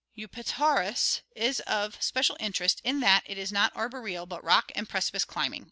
Eupetaurus is of especial interest in that it is not arboreal but rock and precipice climbing.